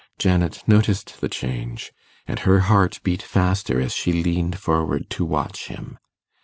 Janet noticed the change, and her heart beat faster as she leaned forward to watch him.